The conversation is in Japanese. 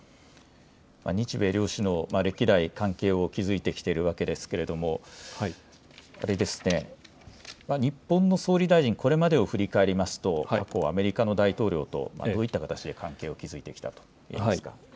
日米両首脳、歴代、関係を築いてきているわけですけれども、日本の総理大臣、これまでを振り返りますと、過去、アメリカの大統領とどういった形で関係を築いてきたといえますか。